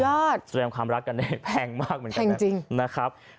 สำหรับความรักกันเองแพงมากเหมือนกันนะ